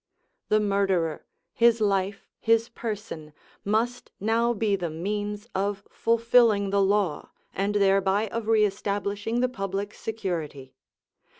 The murderer, his life, his person, must now be the means of fulfilling the law, and thereby of re establishing the public security.